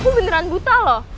aku beneran buta loh